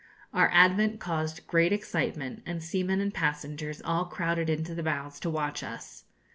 Our advent caused great excitement, and seamen and passengers all crowded into the bows to watch us.